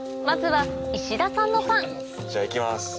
まずは石田さんのパンじゃ行きます。